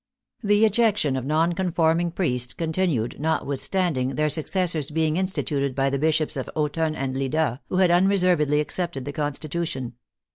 The ejection of non conforming priests continued, notwithstanding, their successors being instituted by the bishops of Autun and Lida, who had unreservedly accepted the constitution.